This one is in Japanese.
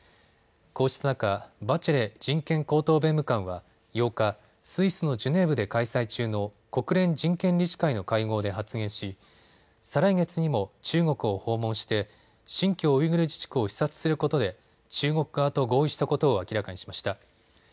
こうした中、バチェレ人権高等弁務官は８日、スイスのジュネーブで開催中の国連人権理事会の会合で発言し再来月にも中国を訪問して新疆ウイグル自治区を視察することで中国側と合意したことを明らかにしました。